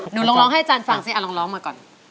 หนูลองให้อาจารย์ฟังสิอ่ะลองมาก่อน